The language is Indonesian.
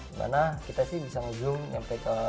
dimana kita sih bisa ngezoom sampai ke